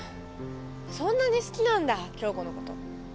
そんなに好きなんだ響子のこと。